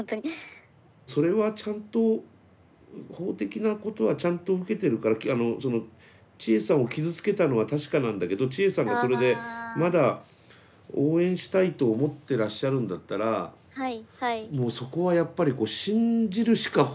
それはちゃんと法的なことはちゃんと受けてるからチエさんを傷つけたのは確かなんだけどチエさんがそれでまだ応援したいと思ってらっしゃるんだったらもうそこはやっぱりこう信じるしか方法はないですもんね。